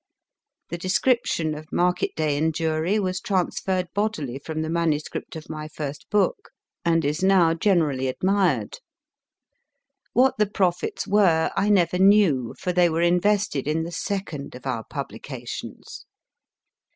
The description of market day in Jewry was transferred bodily from the MS. of my first book, and is now generally admired ZANGWILL 169 What the profits were I never knew, for they were invested in the second of our publications.